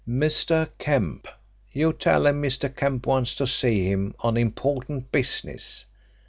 "Mr. Kemp. You tell him Mr. Kemp wants to see him on important business."